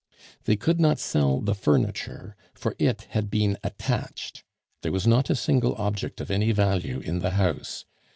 They could not sell the furniture, for it had been attached; there was not a single object of any value in the house.